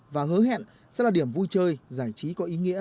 và hứa hẹn sẽ là điểm vui chơi giải trí có ý nghĩa